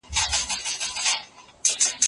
هغه د خپلې ناښکلې څېرې په اړه اندېښنه لرله.